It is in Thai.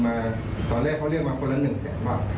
ครับผมแต่ทีนี้ทางโรงเรียนเขาก็ไปเจรจาต่อรองให้ครั้งแรก